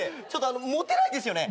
モテないですよね？